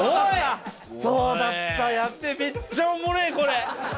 そうだった、やべえ、めっちゃおもれえ、これ。